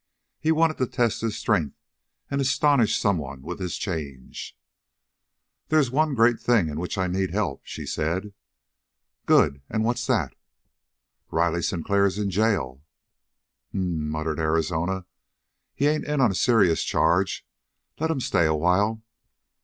He wanted to test his strength and astonish someone with his change. "There is one great thing in which I need help," she said. "Good! And what's that?" "Riley Sinclair is in jail." "H'm," muttered Arizona. "He ain't in on a serious charge. Let him stay a while."